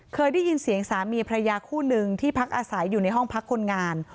เคยได้ยินเสียงสามีพระยาคู่หนึ่งที่พักอาศัยอยู่ในห้องพักคนงาน